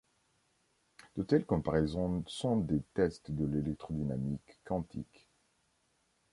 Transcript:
De telles comparaisons sont des tests de l’électrodynamique quantique.